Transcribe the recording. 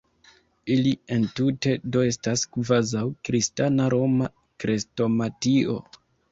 Ili entute do estas kvazaŭ «Kristana Roma Krestomatio».